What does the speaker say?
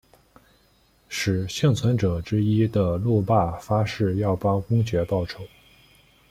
使幸存者之一的路霸发誓要帮公爵报仇。